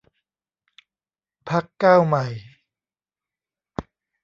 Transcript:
พรรคก้าวใหม่